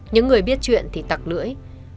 những người biết chuyện thì tặc lưỡi